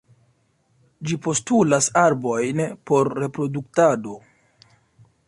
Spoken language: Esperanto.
Ĝi postulas arbojn por reproduktado.